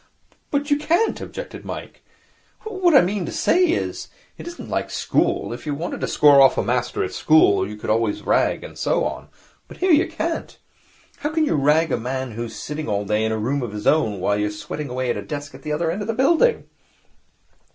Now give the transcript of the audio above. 'But you can't,' objected Mike. 'What I mean to say is, it isn't like a school. If you wanted to score off a master at school, you could always rag and so on. But here you can't. How can you rag a man who's sitting all day in a room of his own while you're sweating away at a desk at the other end of the building?'